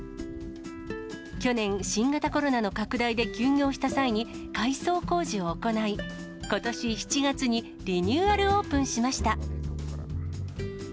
去年、新型コロナの拡大で休業した際に、改装工事を行い、ことし７月に、リニューアルオープンしました。